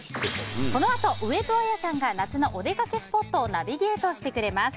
このあと上戸彩さんが夏のお出かけスポットをナビゲートしてくれます。